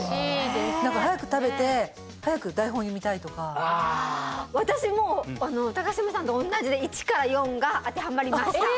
何か早く食べて早く台本読みたいとか私も高島さんとおんなじで１から４が当てはまりましたえ！